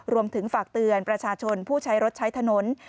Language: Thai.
รวมถึงฝากเตือนประชาชนผู้ใช้รถใช้ถนน